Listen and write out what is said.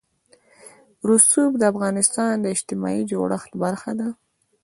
رسوب د افغانستان د اجتماعي جوړښت برخه ده.